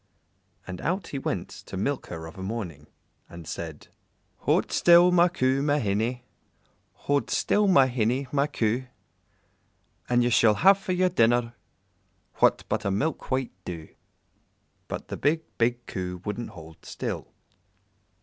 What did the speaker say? And out he went to milk her of a morning, and said "Hold still, my Coo, my hinny, Hold still, my hinny, my Coo, And ye shall have for your dinner What but a milk white doo." But the big, big Coo wouldn't hold still.